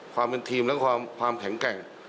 ความเป็นทีมและความแข็งแกร่ง